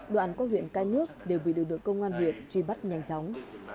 đoạn qua huyện cái nước đều bị đối đối công an huyện truy bắt nhanh chóng